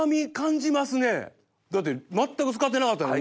だって全く使ってなかったのに。